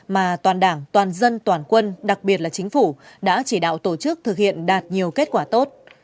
mà toàn đảng toàn dân toàn quân đặc biệt là chính phủ đã chỉ đạo tổ chức thực hiện đạt nhiều kết quả tốt